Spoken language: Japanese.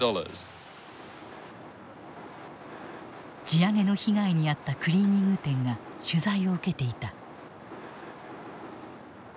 地上げの被害に遭ったクリーニング店が取材を受けていた。